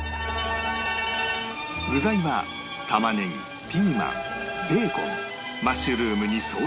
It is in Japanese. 具材は玉ねぎピーマンベーコンマッシュルームにソーセージ